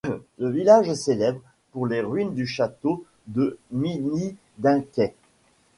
Le village est célèbre pour les ruines du château de Medininkai.